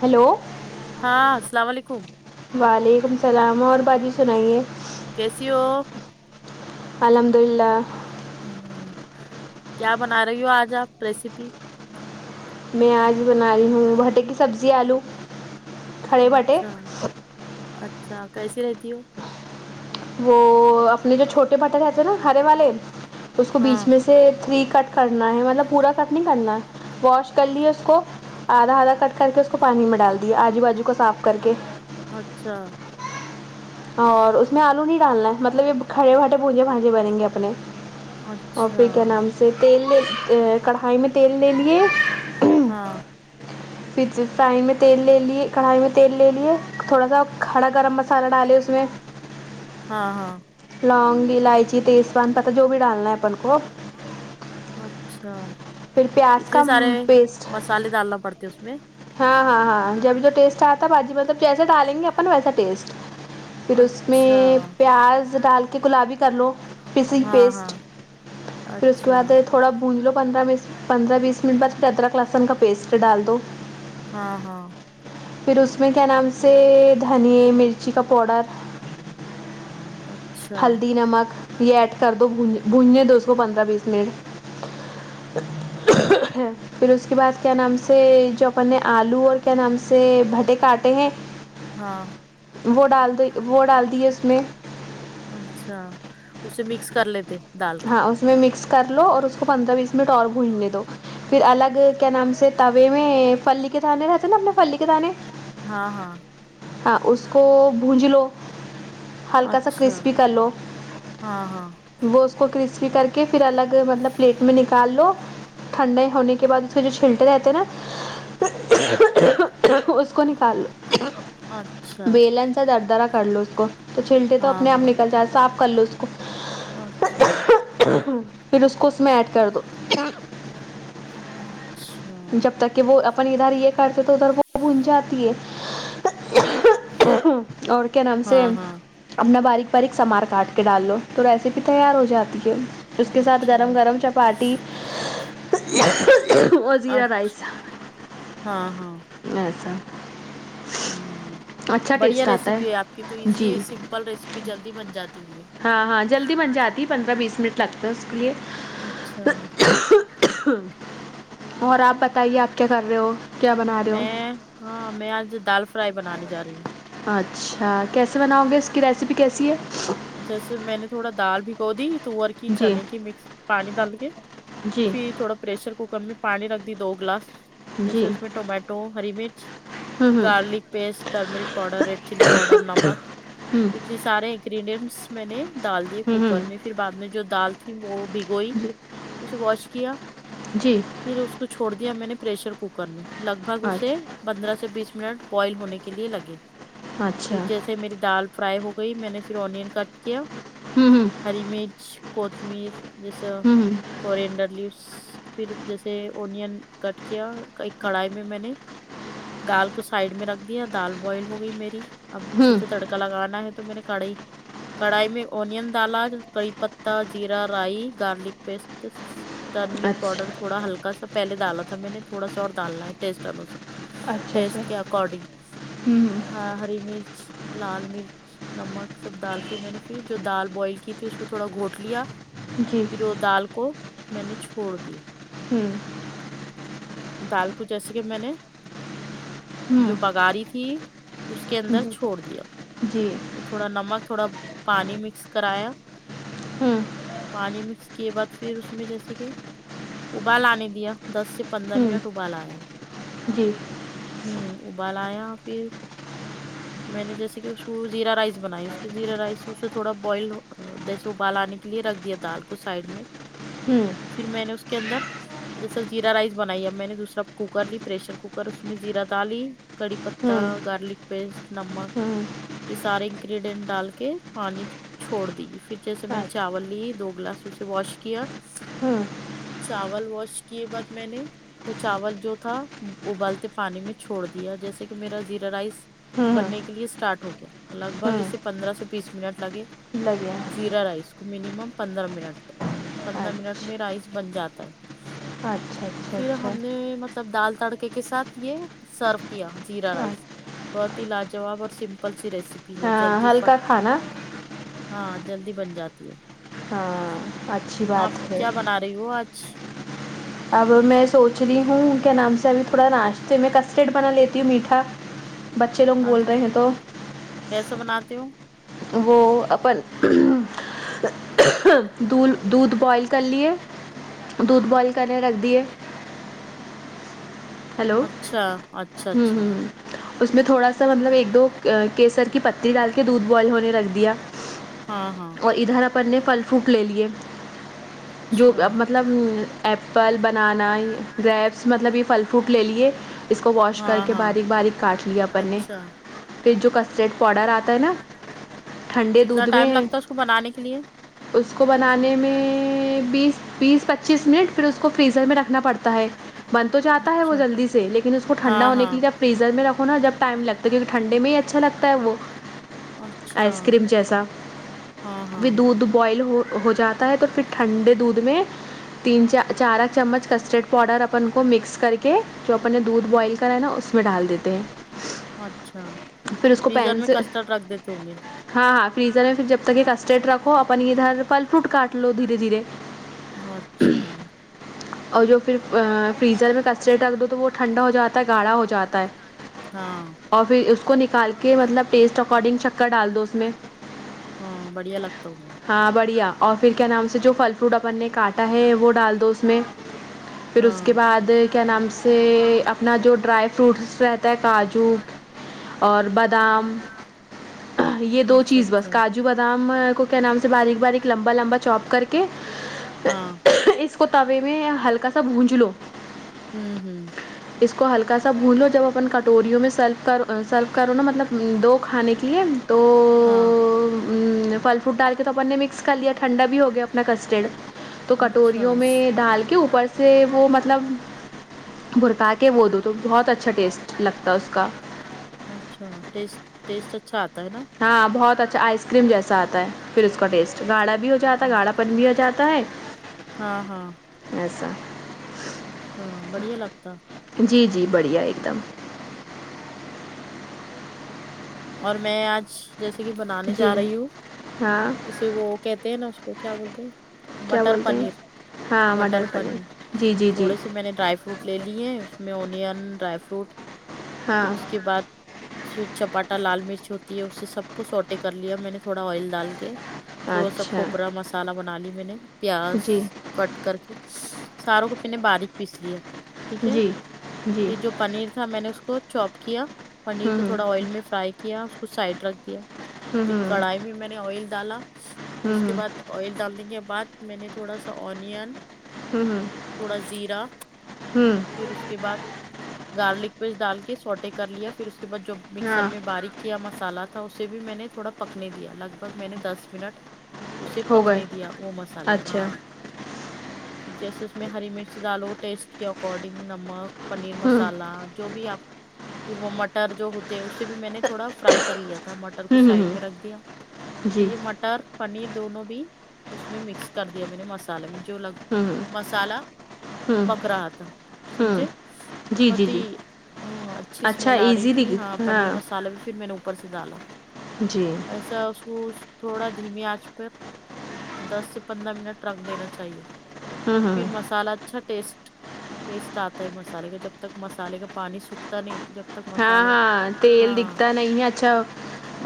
hello ہاں السلام علیکم وعلیکم السلام اور باجی سنائیے کیسی ہو الحمد للہ ہوں کیا بنا رہی ہو آج آپ ریسیپی میں آج بنا رہی ہوں بھٹے کی سبزی آلو کھڑے بھٹے اچھا اچھا کیسی رہتی ہو وہ اپنے جو چھوٹے بھٹے رہتے نا ہرے والے تو اس کو ہاں بیچ میں سے تھری کٹ کرنا ہے مطلب پورا کٹ نہیں کرنا واش کر لی اس کو آدھا آدھا کٹ کر کے اس کو پانی میں ڈال دییا آجو بجو کو صاف کر کے اچھا اور اس میں آلو نہیں ڈالنا ہے مطلب یہ کھڑے بھٹے بونجے بھانجے بنیں گے اپنے اور اچھا پھر کیا نام سے تیل کڑھائی میں تیل لے لیے ہاں پھر فرائی میں تیل لے لیے کڑھائی میں تیل لے لیے تھوڑا سا ہرا گرم مسالہ ڈالی اس مے ہاں ہاں لونگ الائچی تیزوان پتہ جو بھی ڈالنا ہے اپن کو اچھا پھر پیاز کا پیسٹ سالے ڈالنا پڑتے ہیں اس میں ہاں ہاں ہاں جب جو ٹیسٹ آتا باجی مطلب جیسا ڈالیں گے اپن نا ویسا ٹیسٹ پھر اس اچھا میں پیاز ڈال کے گلابی کر لو پسی ہاں پیسٹ ہاں پھر اس کے اچھا بعد تھوڑا بون لو پندرہ من پندرہ بیس منٹ بعد پھر ارک لہسن کا پیسٹ ڈال دو ہاں ہاں پھر اس میں کیا نام سے دھن مرچی کا پاؤڈر اچھا ہلدی نمک یہ ایڈ کر دو بو بھننے دو اس کوو پندرہ بیس منٹ پھر اس کی بعد کیا نام سے جو اپن نے الو اور کیا نام سے بھٹے کاٹے ہیں ہاں وہ ڈال دی وہ ڈال دی ہے اس میں اچھا اسے مکس کر لیتے دال کے ہاں اس میں مکس کر لو اور اس کو پندرہ بیس منٹ اور بھوننے دو پھر الگ کیا نام سے تے میں پلی کے دانے رہتے نا اپنے پھلی کے دانے ہاں ہاں ہاں اس کو بھونج لو ہلکا سا اچھا کرسپی کر لو ہاں ہاں وہ اس کو کرسپی کر کے پھر الگ مطلب پلیٹ میں نکال لو ٹھنڈے ہونے کے بعد پھر جو چھلٹے رہتے ہیں نا اس کو نکال لو اور بیلن سے در درا کر لو اس کو تو چلٹے تو ہاں اپنے آپ ہاں نکل جائے صاف کر لو اس کو اچھا پھر اس کو اس میں ایڈ کر دو اچھا جب تک کہ وہ اپن ادھر یہ کرتے تو ادھر وہ بن جاتی ہے اور کیا نام سے ہاں ہاں اپنا باریک باریک سمار کاٹ کے ڈال لو تو ریسیپی تیار ہو جاتی ہے اس کے ساتھ اچھا گرم گرم چپاٹی اچھا ہاں ہاں [unintelligible] ہوں اچھا بڑھیا ٹیسٹ آتا ریسیپی ہے آپ کی تو ایزی جی سمپل ریسیپی جلدی بن جاتی ہونگی ہاں ہاں جلدی بن جاتی پندرہ بیس منٹ لگتا ہے اس کے لیے اچھا اور آپ بتائیے آپ کیا کر رہے ہو کیا بنا رہے ہو میں ہاں میں آج دال فرائی بنانے جا رہی ہوں اچھا کیسے بناؤ گے اس کی ریسیپی کیسی ہے جیسے میں نے تھوڑا دال بھگو دی تور کی جی چنے کی مکس پانی ڈال کے جی پھر تھوڑا پریشر کوکر میں پانی رکھ دی دو گلاس جی جیسے اس میں ٹمیٹو ٹو ہری مرچ ہوں ہوں garlic paste turmeric powder red chilli powder نمک ہوں اتنے سارے انگریڈنس میں نے ڈال دیے ہوں کوکر ہوں میں پھر بعد میں جو دال تھی وہ بہی گوئی جی اسے واش کیا جی پھر اس کو چھوڑ دیا میں نے پریشر کوکر میں لگ بھگ اچھ اسے پندرہ سے بیس منٹ بوائل ہونے کے لیے لگے پھر اچھا جیسے میری دال فرائی ہو گئی میں نے پھر اونیئن کٹ کیا ہوں ہوں ہری مرچ کوتمیر جیسے ہوں کورینڈر لیوس پھر جیسے اونین کٹ کیا ایک کڑھائی میں میں نے دال کو سائڈ میں رکھ دیا دال بوائل ہو گئی میری اب ہوں ہوں جیسے تڑکا لگانا ہے تو میں نے کڑھاائی کڑھائی میں اونین ڈالا کری پتا جیرا رائی گارلک پیسٹ ٹمرک اچھا پاؤڈر تھوڑا ہلکا سا پہلے ڈالا تھا میں نے تھوڑا سا اور ڈالنا ہے ٹیسٹ انوسار اچھا اچھا ٹیسٹ کے اکارڈنگ ہوں ہوں ہاں ہری مرچ لال مرچ نمک سب ڈال کے میں نے پھر جو دال بوائل کی تھی اس کو تھوڑا گھوٹ لیا جی پھر وہ دال کو میں نے چھوڑ دیا ہوں دال کو جیسے کہ میں نے ہوں جو بگاری تھی اس کے اندر جی چھوڑ دیا جی تھوڑا نمک تھوڑا پانی مکس کرایا ہوں پانی مکس کے بعد پھر اس میں جیسے کہ ابال آنے دیا دس سے پندرہ ہوں منٹ ابال آیا جی ہمم ابال آیا پھر میں نے جیسے کہ اس کو زیرا رائس بنائی اس زیرا رائس اسے تھوڑا بوائل جیسے ابال انے کے لیے رکھ دیا دال کو سائڈ میں ہوں پھر میں نے اس کے اندر جیسا زیرا رائس بنائی اب میں نے دوسرا کوکر لی پریشر کوکر اس میں زیرا ڈال لی کڑی پتتا ہوں گارلک پیسٹ نمک ہوں یہ سارے کریڈین ڈال کے پانی چھوڑ دی پھر جیسے میں اچھا نے چاول لی دو گلاس اسے واش کیا ہوں چاول واش کیے بعد میں نے وہ چاول جو تھا ابالتے پانی میں چھوڑ دیا جیسے کہ میرا زیرا رائس ہوں بننے کے ہوں لیے اسٹارٹ ہو گیا لگ بھگ اسے ہوں پندرہ سے بیس منٹ لگے لگ گیا زیرا رائس مینیمم پندرہ منٹ پندرہ منٹ اچھا میں رائس بن جاتا ہے اچھا اچھا پھر ہم نے اچھا مطلب دال تڑکے کے ساتھ یہ سرف کیا زیرا رائس اچھا بہت ہی لاجواب اور سمپل سی ریسیپی ہے جلدی ہاں ہلکا فٹ کھانا ہ ہاں جلدی بن جاتی ہے ہاں اچھی آپ بات ہے کیا بنا رہی ہو آج اب میں سوچ رہی ہوں ان کے نام سے ابھی تھوڑا ناشتے میں کسٹرڈ بنا لیتی ہوں میٹھا بچے لوگ بول رہے اچھا ہیں تو کیسے بناتے ہو وہ اپن اھھ دھ دودھ بوائل کر لیے دودھ بوائل کر رکھ دیے ہیلو اچھا اچھا ہ اچھا ہوں اس میں تھوڑا سا مطلب ایک دو کیسر کی پتی ڈال کے دودھ بوائل ہونے رکھ دیا ہاں ہاں اور ادھر اپن نے پھل فوٹ لےلئے جو اچھا مطلب ایپل بنانا گریپس مطلب یہ پھل لے لیے اس کو واش کر ہاں کے ہاں باریک باریک کاٹ لیا اپن نے اچھا پھر جو کس ریٹ پاؤڈر آتا ہے نا ٹھنڈے کتنا دودھ میں ٹائم لگتا ہے اس کو بنانے کے لیے اس کو بنانے میں بیس بیس پچیس منٹ پھر اس کو فریزر میں رکھنا پڑتا ہے بند تو ج ہے وہ اچھا جلدی سے لیکن اس کو ھنڈا ہاں ہونے کے ہاں لیےاب فریزر میں رکھو جب ٹائم لگتا ہے کیونک ٹھنڈے میں ہی اچھا لگتا ہے وہ اچھا ائس کریم جیسا ہاں بھی ہاں دھ بوائل ہو ہو جاتا ہے تو پھر ٹھنڈے دودھ میں تین چا چار چمچ کسٹرڈ پاؤڈر اپن کو مکس کر کے جو اپ نے دودھ بوائل کرا ہے نا اس میں ڈال دیتے ہیں اچھا پھر اس کو فریزر پین میں سے کسٹرڈ رکھ دیتے ہوں گے ہاں ہاں فریزر میں پھر جب تک یہ کسٹرڈ رکھو اپن ادھر پھل فروٹ کاٹ لو دھیرے دھیرے اچھا اور جو پھر فریزر میں کسرڈ رکھ دو تو وہ ٹھنڈا ہو جاتا ہے گاڑھا ہو جاتا ہے ہاں اور پھر اس کو نکال کے مطلب ٹیسٹ اکارڈنگ شکرڈال دو اس میں ہاں بڑھیا لگتا وہ ہاں بڑھیا اور پھر کیا نام سے جو پھل فروٹ اپن نے کاٹا ہے وہ ڈال دو اس میں پھر اس کے ہاں بعد کیا نام سے اپنا جو ڈرائی فروٹس رہتا ہے کاجو اور بادام یہ دو اچھا چیز بس اچھا کاجو بادام کو کیا نام سے باریک باریک لمبا لما چوپ کر کے ہاں اس کو توے میں ہلکا سا بونجھ لو ہوں ہوں اس کو ہلکا سا بھونو جب اپن کٹوریوں میں سرو کر سرو کرو نا مطلب دو کھانے کی پلیم تو ہاں تو پھل فروٹ ڈال کے تو اپن نے مکس کر لیا ٹھنڈا بھی ہو گیا اپنا کسٹرڈ تو اچھا کٹوریوں میں ڈال کے اوپر سے وہ مطلب بھرکا کے وہ دو تو بہت اچھا ٹیسٹ لگتا ہے اس کا اچھا ٹیسٹ ٹیسٹ اچھا آتا ہے نا ہاں بہت اچھا آئس کریم جیسا آتا ہے پھر اس کا ٹیسٹ گاھا بھی ہو جاتا ہے گاڑھا پن بھی ہو جاتا ہے ہاں ہاں ایسا ہاں بڑھیا لگتا جی جی بڑھیا ایک دم اور میں آج جیسے کہ بنانے جا جی رہی ہوں ہاں وہ کہتے ہیں نا اس کو کیا بولتے ہیں کیا مٹر بولتے ہیں پنیر ہاں مٹر پنیر جی جی جی تھوڑے سے میں نے ڈرائی ف فروٹ لے لیے اس میں اونین ڈرائی فروٹ پھر ہاں اس کے بعد چپاٹا لال مرچ ہوتی ہے اس سے سب کوچھ سوٹے کر لیا میں نے تھوڑا آئل ڈال کے تھوڑا سا اچھا کھوپرا مسالہ بنا لی میں نے پیاز جی کٹ کر کے ساروں کو پہ نے باریک پیس لیا ٹھیک ہے جی جی پھر جو پنیر تھا میں نے اس کو چوپ کیا پنیر کو ہوں تھوڑا آئل میں فرائی کیا اس کو سائڈ رکھ دیا پھر ہوں کڑھائی میں میں نے آئل ڈالا ہوں پھر اس کے ہوں بعد آئل ڈالنے کے بعد میں نے تھوڑا سا ونوں ہوں تھوڑا زیرہ ہوں ہوں پھر اس کے بعد گارلک پیس ڈال کے سوٹے کر لیا پھر اس کے بعد جو مکسر ہاں میں باریک کیا مسالا تھا اسے بھی میں نے تھوڑا پکنے دیا لگ بھگ میں نے دس منٹ اسے ہو گئے پکنے دیا وہ مسالے ہاں اچھا پھر جیسے اس میں ہری مرچ ڈالو ٹیسٹ کے اکارڈنگ نمک پنیر ہوں مسالہ جو بھی آپ پھر وہ مٹر جو ہوتے اس بھی میں نے تھوڑا فرائی کر لیا تھا مٹر کو ہوں سائڈ ہوں میں رکھ دیا پھر جی یہ مٹ مٹر پنیر دونوں بھی اس میں مکس کر دیا میں نے مسالے میں جو لگ ہوں مسالہ ہوں پک رہا تھا ہوں سمجھے جی جی بہت جی ہی ہوں اچھی اچھا اسمیل آ رہی ایزی تھی ہاں دکھ مسالا پھر میں نے اوپر سے ڈالا جی ایسا اس کو تھوڑا دھیمی آنچ پر دس سے پندرہ منٹ ٹرک دینا چاہیے ہوں پھر مسالہ اچھا ٹیسٹ ٹیسٹ آتا ہے مسالے کا جب تک مسالے کا پانی سکھ تا نہیں جب تک ہاں مسالے ہاں تیل ہاں دکھتا نہیں ہے اچھا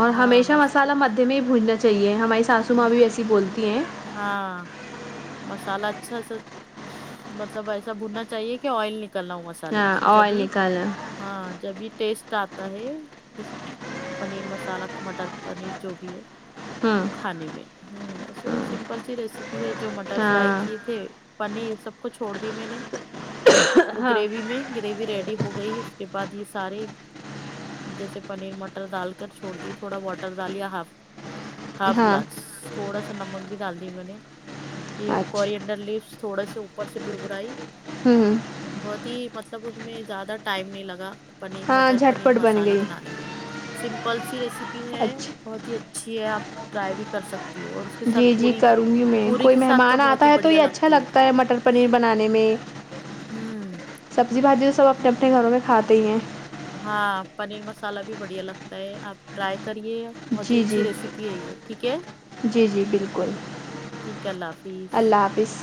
اور ہاں ہمیشہ مس مسالہ مدھے میں ہی بونجنا چاہیے ہماری ساسو ماں بھی ایسی بولتی ہیں ہاں مسالہ اچھا سا مطلب ایسا بھوننا چاہیے کہ آئل نکلنا ہوا مسالے ہاں میں جب آئل بھی نکالنا ہاں جب بھی ٹیسٹ آتا ہے اس پنیر مسالہ مٹر پنیر جو بھی ہے ہاں وہ کھانے میں سمپل سی ریسپ پی ہےجو مٹر فرائی کیے ہاں تھے پنیر سب کو چھوڑ دی میں نے وہ ہاں گریوی میں گریوی ریڈی ہو گئی اس کے بعد یہ سارے جیسے پنیر مٹر ڈال کر چھوڑ دی تھوڑا واٹر ڈالیا ہاف ہاف ہاں گلاس تھوڑا سا نمک بھی ڈال دی میں نے پھر کور اچھا انڈر لیفس تھوڑے سے اوپر سے بر برئی ہوں بہت ہی مطلب اس میں زیادہ ٹائم نہیں لگا پنیر ہاں مٹر جھٹ پنیر پٹ بن مسالہ گئی بنانے میں سمپل سی ریسیپی ہے اچھا بہت ہی اچھی ہے آپ ٹرائی بھی کر سکتی ہو اور کے جی ساتھ جی پوری کروں گی میں پوری کوئی کے ساتھ تو مہمان بہت آتا ہی ہے تو بڑھیا یہ اچھا لگتی لگتا ہے مٹر پنیر بنانے میں ہوں سبزی بھاجی تو سب اپنے اپنے گھروں میں کھاتے ہی ہیں ہاں پنیر مسالہ بھی بڑھیا لگتا ہے آپ ٹرائی کریے بہت ہی جی اچھی جی ریسیپی ہے یہ ٹھیک ہے جی جی بالکل ٹھیک ہے اللہ حافظ اللہ حافظ